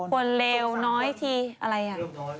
เลวน้อยทีอะไรอ่ะ